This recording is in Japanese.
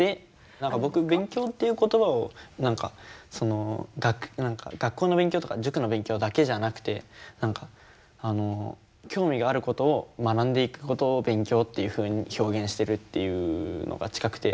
何か僕勉強っていう言葉を学校の勉強とか塾の勉強だけじゃなくて興味があることを学んでいくことを勉強っていうふうに表現してるっていうのが近くて。